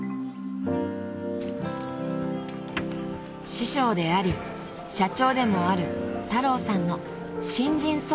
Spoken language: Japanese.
［師匠であり社長でもある太郎さんの新人総見でした］